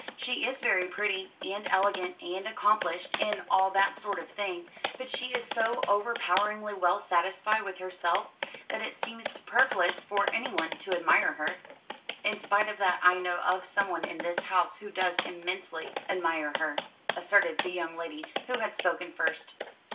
"She is very pretty, and elegant, and accomplished, and all that sort of thing but she is so overpoweringly well satisfied with herself that it seems superfluous for anyone to admire her.' "In spite of that I know of someone in this house who does immensely admire her," asserted the young lady who had spoken first.